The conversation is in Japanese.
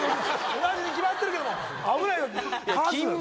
同じに決まってるけども危ないよ！